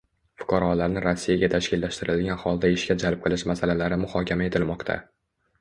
Fuqarolarni Rossiyaga tashkillashtirilgan holda ishga jalb qilish masalalari muhokama etilmoqda